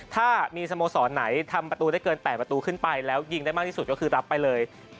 ถ้ามีสโมสรไหนทำประตูได้เกิน๘ประตูขึ้นไปแล้วยิงได้มากที่สุดก็คือรับไปเลย